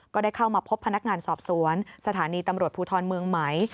ก็ได้เข้ามาพบพนักงานสอบสวนสถานีตำรวจภูทรเมืองไหม